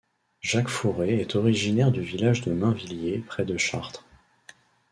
Jacques Fouré est originaire du village de Mainvilliers près de Chartres.